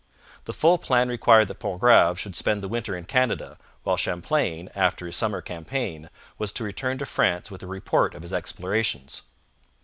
The full plan required that Pontgrave should spend the winter in Canada, while Champlain, after his summer campaign, was to return to France with a report of his explorations.